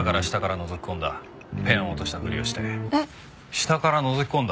下からのぞき込んだ。